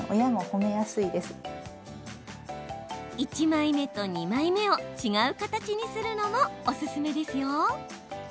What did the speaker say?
１枚目と２枚目を違う形にするのもおすすめですよ。